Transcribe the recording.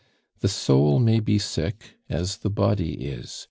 The soul may be sick, as the body is.